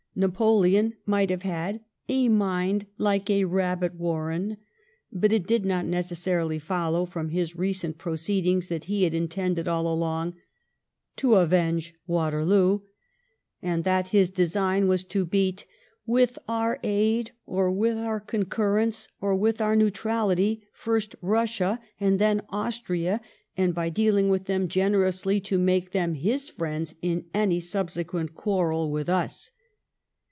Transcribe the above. Napoleon might have had '' a mind like a rabbit warren," but it did not necessarily follow,, from his recent proceedings, that he had intended all along to '* avenge Waterloo," and that his design was to beat '* with our aid or with our concurrence or with our neu trality, first Bussia and then Austria, and by dealing with them generously to make them his friends in any subsequent quarrel with us."